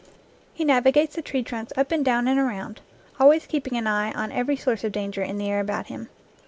He navigates the tree trunks up and down and around, always keeping an eye on every source of danger in the air about him.